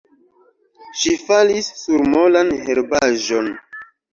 Ŝi falis sur molan herbaĵon.